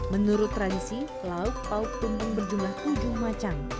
menurut tradisi laut paut tumpeng berjumlah tujuh macam